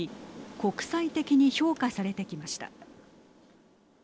国際的に評価されてきました。